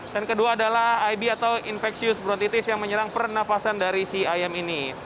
dan kedua adalah ib atau infectious brontitis yang menyerang pernapasan dari si ayam ini